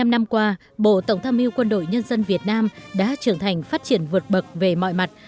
bảy mươi năm năm qua bộ tổng tham mưu quân đội nhân dân việt nam đã trưởng thành phát triển vượt bậc về mọi mặt